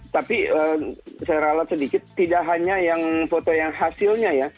tapi saya ralat sedikit tidak hanya yang foto yang hasilnya ya